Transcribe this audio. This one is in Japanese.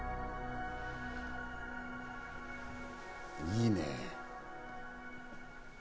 いいね。